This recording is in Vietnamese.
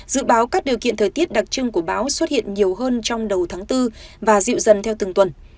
dự báo các điều kiện thời tiết đặc trưng của báo xuất hiện nhiều hơn trong đầu tháng bốn và dịu dần theo từng tuần